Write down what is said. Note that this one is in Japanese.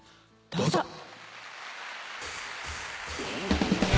どうぞ。